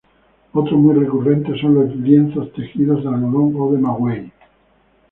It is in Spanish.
Otro muy recurrente son los lienzos tejidos de algodón o de maguey.